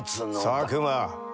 佐久間。